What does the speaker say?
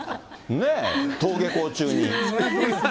ねぇ、登下校中に。